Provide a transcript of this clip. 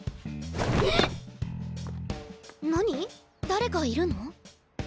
誰かいるの？